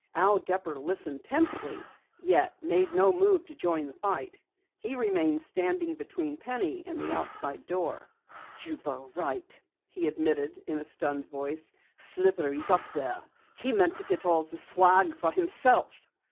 Al Gepper listened tensely, yet made no move to join the fight. He remained standing between Penny and the outside door. "You were right," he admitted in a stunned voice. "Slippery's up there. He meant to get all the swag for himself."